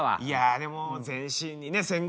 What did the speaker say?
いやでも全身にね